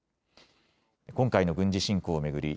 今回の軍事侵攻を巡り